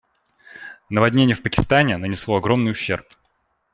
Наводнение в Пакистане нанесло огромный ущерб.